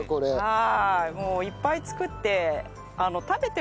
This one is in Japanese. はい。